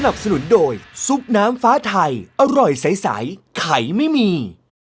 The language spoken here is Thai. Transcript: สนุนโดยซุปน้ำฟ้าไทยอร่อยใสไข่ไม่มี